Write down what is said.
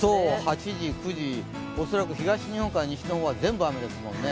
８時、９時恐らく東日本から西日本は全部雨ですもんね。